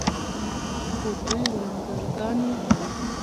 خو دوې ورندرګانې لري.